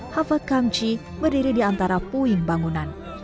hafa kamci berdiri di antara puing bangunan